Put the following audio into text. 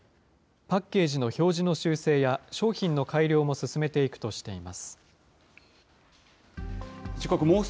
パッケージの表示の修正や商品の改良も進めていくとしています。